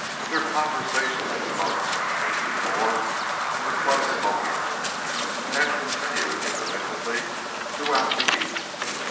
Their conversation had started some hours before in the club smoking room and had continued intermittently throughout the evening.